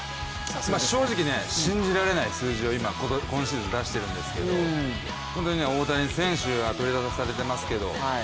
正直、信じられない数字を今シーズン出してるんですけど大谷選手が取り沙汰されてますけど。